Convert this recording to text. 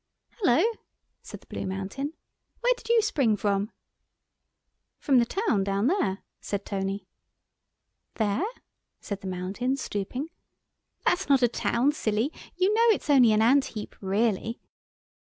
"Hullo!" said the Blue Mountain, "where did you spring from?" "From the town down there," said Tony. "There?" said the Mountain, stooping, "that's not a town, silly, you know it's only an ant heap, really."